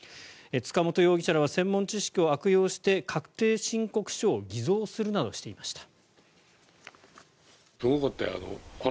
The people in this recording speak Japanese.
塚本容疑者らは専門知識を悪用して確定申告書を偽造するなどしていました。